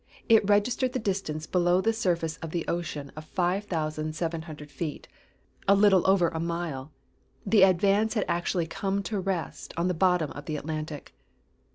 It registered a distance below the surface of the ocean of five thousand seven hundred feet a little over a mile. The Advance had actually come to rest on the bottom of the Atlantic.